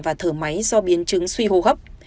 và thở máy do biến chứng suy hô hấp